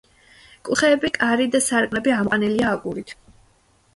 კუთხეები, კარი და სარკმლები ამოყვანილია აგურით.